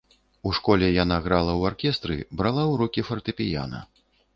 У школе яна грала ў аркестры, брала ўрокі фартэпіяна.